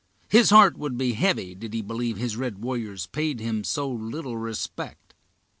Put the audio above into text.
His heart would be heavy did he believe his red warriors paid him so little respect!"